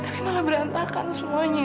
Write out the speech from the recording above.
tapi malah berantakan semuanya